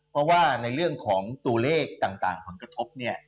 เพราะว่าในเรื่องของตัวเลขต่างผลกระทบเนี่ย